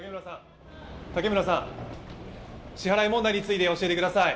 竹村さん、支払い問題について教えてください。